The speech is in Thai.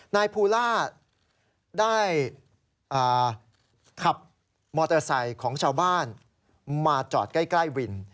นายภูล่าได้ขับมอเตอร์ไซค์ของชาวบ้านมาจอดใกล้วิน